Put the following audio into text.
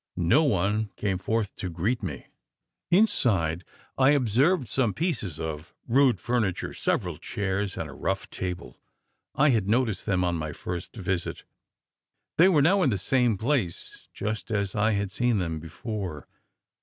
no one came forth to greet me! Inside, I observed some pieces of rude furniture several chairs and a rough table. I had noticed them on my first visit. They were now in the same place just as I had seen them before.